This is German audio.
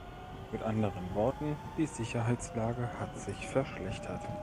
Mit anderen Worten, die Sicherheitslage hat sich verschlechtert.